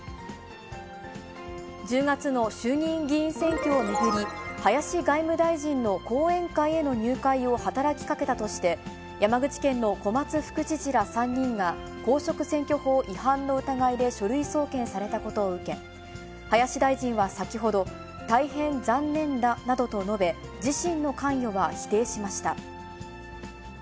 １０月の衆議院議員選挙を巡り、林外務大臣の後援会への入会を働きかけたとして、山口県の小松副知事ら３人が、公職選挙法違反の疑いで書類送検されたことを受け、林大臣は先ほど、大変残念だなどと述べ、自身の関与は否定しました。